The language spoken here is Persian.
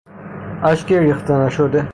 اشک ریخته نشده